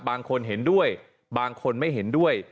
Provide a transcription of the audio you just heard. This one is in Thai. บางคนเห็นด้วยบางคนไม่เห็นด้วย